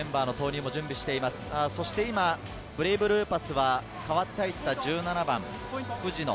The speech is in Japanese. そして、ブレイブルーパスは代わって入った１７番・藤野。